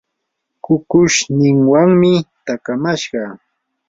kukushninwanmi taakamashqa.